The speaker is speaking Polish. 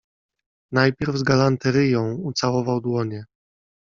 Najpierw z galanteryją ucałował dłonie